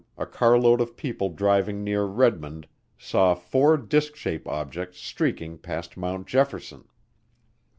a carload of people driving near Redmond saw four disk shaped objects streaking past Mount Jefferson.